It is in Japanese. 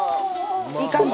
いい感じ。